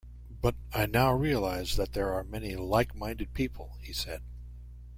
But I now realize that there are many like-minded people, he said.